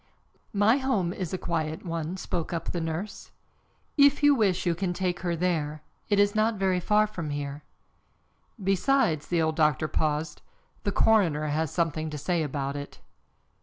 "My home is a quiet one," spoke up the nurse. "If you wish you can take her there. It is not very far from here." "Besides," the old doctor paused. "The coroner has something to say about it."